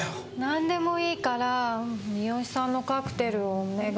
何でもいいから三好さんのカクテルをお願い。